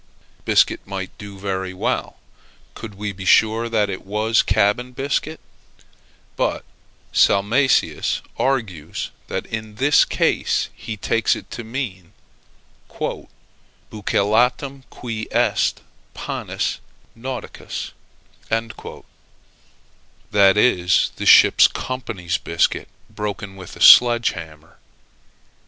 Biscuit might do very well, could we be sure that it was cabin biscuit: but Salmasius argues that in this case he takes it to mean "buccellatum, qui est panis nauticus;" that is, the ship company's biscuit, broken with a sledge hammer.